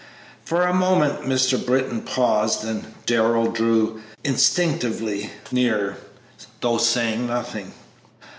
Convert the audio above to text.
For a moment Mr. Britton paused, and Darrell drew instinctively nearer, though saying nothing.